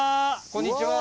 こんにちは。